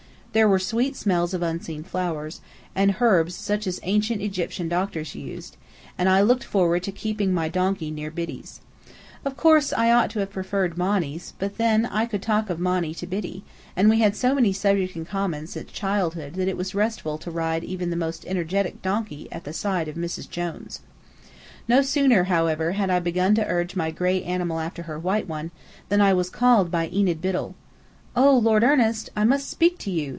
There were sweet smells of unseen flowers, and herbs such as ancient Egyptian doctors used, and I looked forward to keeping my donkey near Biddy's. Of course I ought to have preferred Monny's, but then, I could talk of Monny to Biddy, and we had had so many subjects in common since childhood that it was restful to ride even the most energetic donkey at the side of "Mrs. Jones." No sooner, however, had I begun to urge my gray animal after her white one, than I was called by Enid Biddell. "Oh, Lord Ernest! I must speak to you!"